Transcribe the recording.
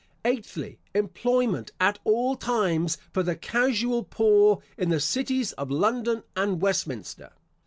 Eighthly, Employment, at all times, for the casual poor in the cities of London and Westminster.